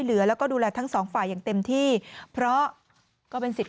เหลือแล้วก็ดูแลทั้งสองฝ่ายอย่างเต็มที่เพราะก็เป็นสิทธิ